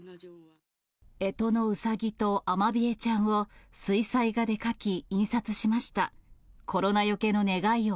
えとのうさぎとアマビエちゃんを水彩画で描き、印刷しました。